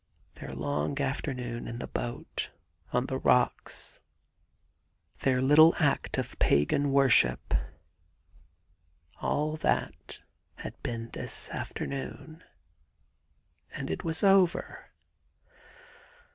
Their long afternoon in the boat ; on the rocks ; their little act of pagan worship; — all that had been this afternoon, and it was over.